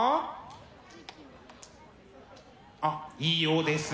あっいいようです。